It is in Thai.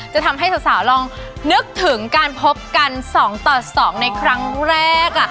จะทำให้สาวลองนึกถึงการพบกัน๒ต่อ๒ในครั้งแรก